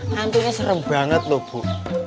nantinya serem banget loh bu